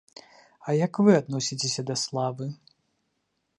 А як вы адносіцеся да славы?